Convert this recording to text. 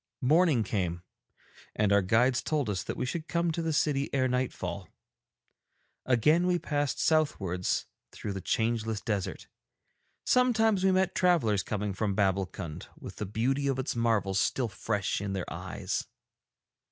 Morning came, and our guides told us that we should come to the city ere nightfall. Again we passed southwards through the changeless desert; sometimes we met travellers coming from Babbulkund, with the beauty of its marvels still fresh in their eyes.